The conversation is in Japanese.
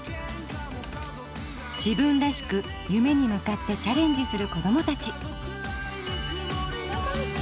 自分らしく夢に向かってチャレンジする子どもたち。